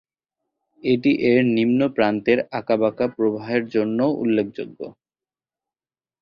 এটি এর নিম্ন প্রান্তের আঁকাবাঁকা প্রবাহের জন্যও উল্লেখযোগ্য।